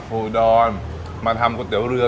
อุดรมาทำก๋วยเตี๋ยวเรือ